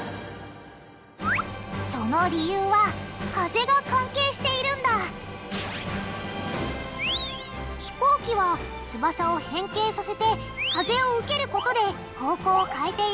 その理由は「風」が関係しているんだ飛行機は翼を変形させて風を受けることで方向を変えている。